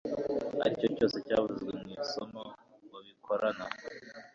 aricyo cyose cyavuzwe mu isomo babikorana